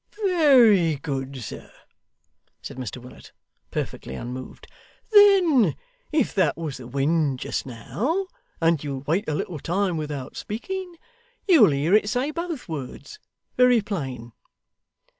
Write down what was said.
'Very good, sir,' said Mr Willet, perfectly unmoved; 'then if that was the wind just now, and you'll wait a little time without speaking, you'll hear it say both words very plain.